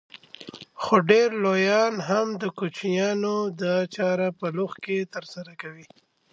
خو ډېر لويان هم د کوچنيانو دا چاره په بلوغ کې ترسره کوي.